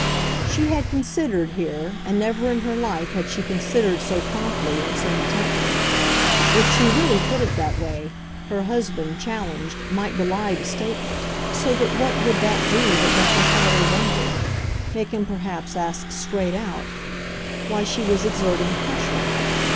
She had considered here, and never in her life had she considered so promptly and so intently. If she really put it that way, her husband, challenged, might belie the statement; so that what would that do but make her father wonder, make him perhaps ask straight out, why she was exerting pressure?